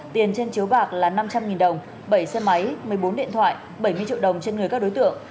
tiền trên chiếu bạc là năm trăm linh đồng bảy xe máy một mươi bốn điện thoại bảy mươi triệu đồng trên người các đối tượng